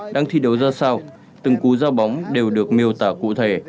đang thi đấu ra sao từng cú giao bóng đều được miêu tả cụ thể